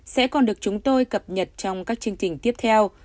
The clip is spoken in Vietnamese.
sẽ còn được chúng tôi cập nhật trong các chương trình tiếp theo